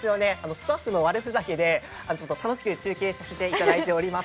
スタッフの悪ふざけで楽しく中継させていただいています。